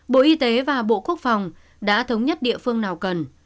bộ y tế và bộ quốc phòng đã thống nhất địa phương nào cần